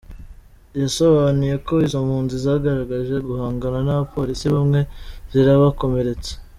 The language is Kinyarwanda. Yasobanuye ko izo mpunzi zagaragaje guhangana n’abapolisi, bamwe zirabakomeretsa.